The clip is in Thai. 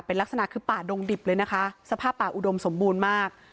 เป็นลักษณะคือป่าดงดิบเลยนะคะสภาพป่าอุดมสมบูรณ์มาก